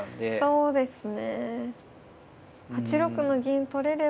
そうですね。